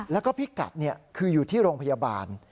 แล้วก็พี่กัดคืออยู่ที่โรงพยาบาล